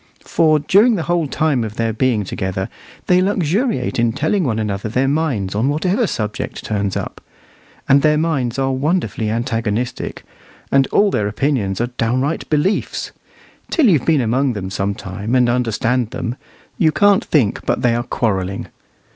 For during the whole time of their being together they luxuriate in telling one another their minds on whatever subject turns up; and their minds are wonderfully antagonistic, and all their opinions are downright beliefs. Till you've been among them some time and understand them, you can't think but that they are quarrelling.